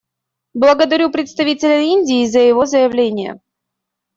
Благодарю представителя Индии за его заявление.